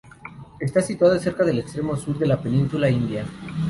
Está situada cerca del extremo sur de la península india.